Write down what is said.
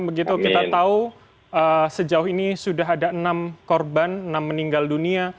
begitu kita tahu sejauh ini sudah ada enam korban enam meninggal dunia